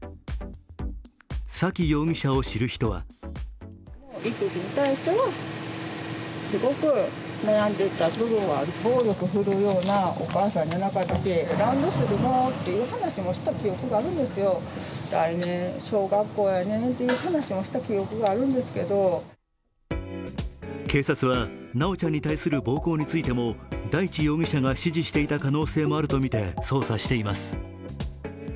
沙喜容疑者を知る人は警察は修ちゃんに対する暴行についても大地容疑者が指示していた可能性があるとみて捜査しています。